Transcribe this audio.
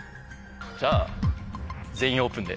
じゃあ「全員オープン」で。